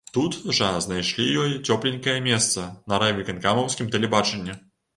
Тут жа знайшлі ёй цёпленькае месца на райвыканкамаўскім тэлебачанні.